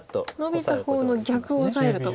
ノビた方の逆をオサえると。